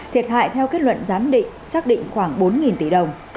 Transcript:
thiệt hại theo kết luận giám định xác định khoảng bốn tỷ đồng